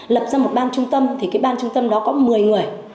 lập ra một ban trung tâm thì cái ban trung tâm đó có một mươi người